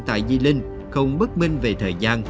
tại di linh không bất minh về thời gian